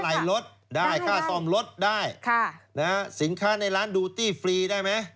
อะไรรถได้ค่ะซอมรถได้สินค้าในร้านดูตี้ฟรีได้ไหม